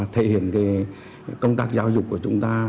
thể hiện công tác giáo dục của chúng ta